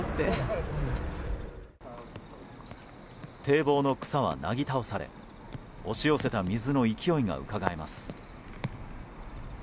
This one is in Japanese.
堤防の草はなぎ倒され押し寄せた水の勢いがうかがえます。